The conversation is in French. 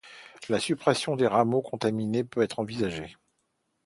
La suppression des rameaux contaminés peut être envisagée.